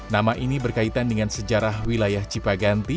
nama ini berkaitan dengan sejarah wilayah cipaganti